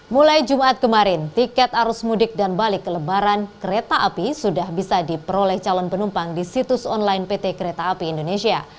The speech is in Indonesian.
mulai jumat kemarin tiket arus mudik dan balik kelebaran kereta api sudah bisa diperoleh calon penumpang di situs online pt kereta api indonesia